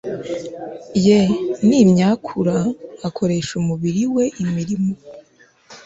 ye nimyakura akoresha umubiri we imirimo